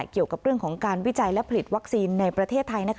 เกี่ยวกับเรื่องของการวิจัยและผลิตวัคซีนในประเทศไทย